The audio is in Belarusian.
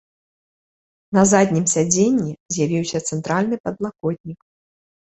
На заднім сядзенні з'явіўся цэнтральны падлакотнік.